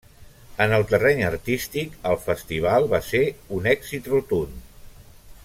En el terreny artístic, el festival va ser un èxit rotund.